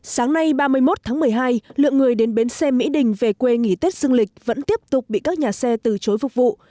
sáng nay ba mươi một tháng một mươi hai lượng người đến bến xe mỹ đình về quê nghỉ tết dương lịch vẫn tiếp tục bị các nhà xe từ chối phục vụ